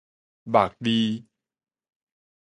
茉莉